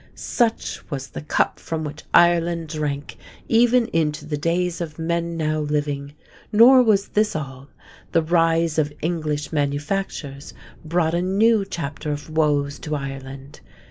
'" Such was the cup from which Ireland drank even into the days of men now living. Nor was this all. The rise of English manufactures brought a new chapter of woes to Ireland.